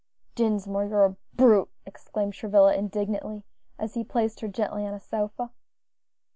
"Dinsmore, you're a brute!" exclaimed Travilla indignantly, as he placed her gently on a sofa.